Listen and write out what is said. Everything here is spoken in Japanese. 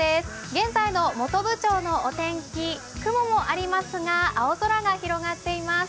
現在の本部町のお天気、雲もありますが、青空が広がっています。